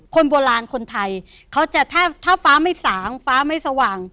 คนโบราณคนไทยเขาจะถ้าฟ้าไม่สางฟ้าไม่สว่าง